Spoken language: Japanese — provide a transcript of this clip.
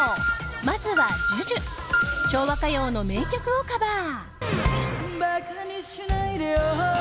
まずは、ＪＵＪＵ昭和歌謡の名曲をカバー。